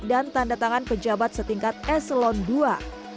dan tanda tangan pejabat setingkat eselon ii